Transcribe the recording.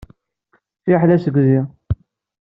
Fiḥel asegzi.